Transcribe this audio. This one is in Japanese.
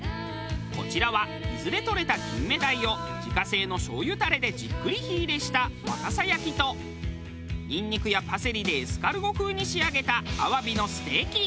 こちらは伊豆でとれた金目鯛を自家製のしょうゆタレでじっくり火入れした若狭焼きとニンニクやパセリでエスカルゴ風に仕上げたアワビのステーキ。